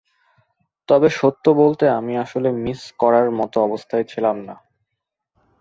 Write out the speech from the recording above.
তবে সত্যি বলতে, আমি আসলে মিস করার মতো অবস্থায়ও ছিলাম না।